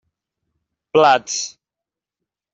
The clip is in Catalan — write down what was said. Plats: